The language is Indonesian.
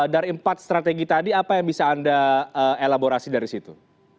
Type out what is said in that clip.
dari empat strategi tadi apa yang bisa anda elaborasi dari situ